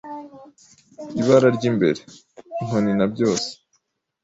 ibara ry'imbere, inkoni na byose,